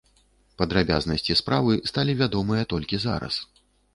Падрабязнасці справы сталі вядомыя толькі зараз.